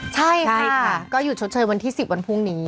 ใช่ค่ะก็อยู่เฉียบเฉยวันที่สิบวันพรุ่งนี้